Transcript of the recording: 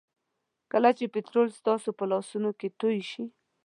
کله چې پټرول ستاسو په لاسونو کې توی شي.